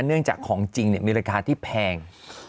เนื่องจากของจริงมีราคาที่แพง